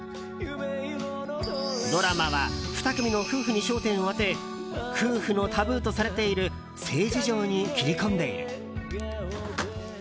ドラマは２組の夫婦に焦点を当て夫婦のタブーとされている性事情に切り込んでいる。